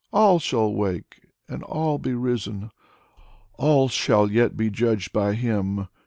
All shall wake, and all be risen. All shall yet be judged by Him.